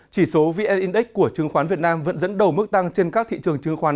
chỉ số vn index của chứng khoán việt nam vẫn dẫn đầu mức tăng trên các thị trường chứng khoán